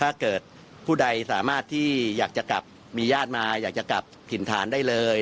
ถ้าเกิดผู้ใดสามารถที่อยากจะกลับมีญาติมาอยากจะกลับถิ่นฐานได้เลย